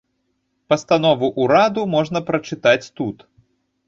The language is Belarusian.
Пастанову ўраду можна прачытаць тут.